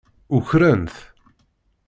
Ukren-t.